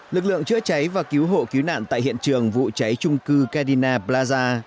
lực lượng chữa cháy và cứu hộ cứu nạn tại hiện trường vụ cháy trung cư kendinna plaza